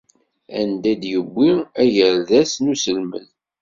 Anda i d-yewwi agerdas n uselmed.